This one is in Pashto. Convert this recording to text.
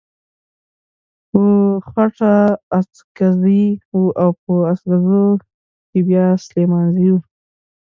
په خټه اڅکزی و او په اڅګزو کې بيا سليمانزی و.